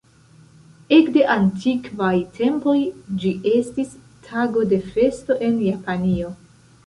Ekde antikvaj tempoj ĝi estis tago de festo en Japanio.